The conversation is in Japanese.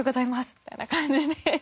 みたいな感じで。